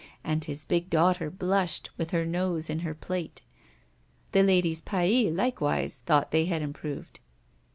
And his big daughter blushed, with her nose in her plate. The ladies Paille likewise thought they had improved.